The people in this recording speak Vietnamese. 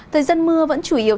thời gian mưa vẫn chủ yếu tập trung